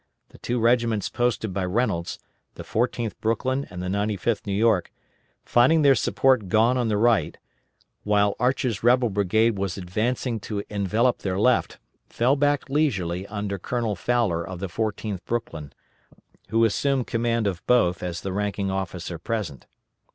The two regiments posted by Reynolds, the 14th Brooklyn and 95th New York, finding their support gone on the right, while Archer's rebel brigade was advancing to envelop their left, fell back leisurely under Colonel Fowler of the 14th Brooklyn, who assumed command of both as the ranking officer present.